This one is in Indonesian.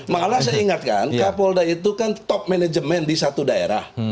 malah saya ingatkan kapolda itu kan top management di satu daerah